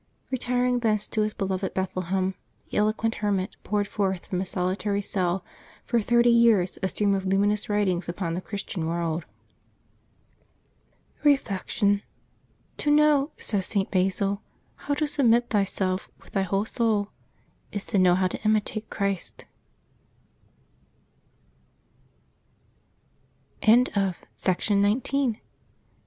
Re tiring thence to his beloved Bethlehem, the eloquent her mit poured forth from his solitary cell for thirty years a stream of luminous writings upon the Christian world. OcTOBEB 2] LIVES OF THE SAINTS 327 Reflection. —" To know/* says St. Basil, " how to sub mit thyself with thy whole soul, is to know how to imitate Christ/^ October i.